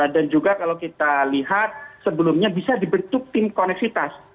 dan juga kalau kita lihat sebelumnya bisa dibentuk tim koneksitas